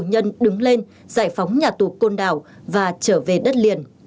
nhân đứng lên giải phóng nhà tù côn đảo và trở về đất liền